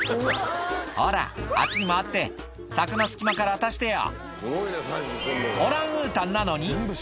「ほらあっちに回って柵の隙間から渡してよ」